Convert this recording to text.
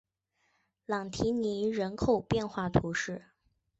朗提尼人口变化图示